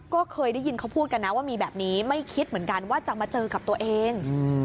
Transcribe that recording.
ก็เคยได้ยินเขาพูดกันนะว่ามีแบบนี้ไม่คิดเหมือนกันว่าจะมาเจอกับตัวเอง